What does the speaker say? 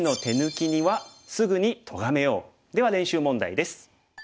では練習問題です。